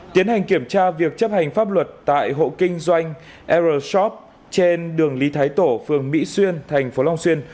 tiến hành kiểm tra việc chấp hành pháp luật tại hộ kinh doanh rshop trên đường lý thái tổ phường mỹ xuyên thành phố long xuyên